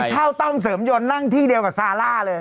เช่าต้อมเสริมยนต์นั่งที่เดียวกับซาร่าเลย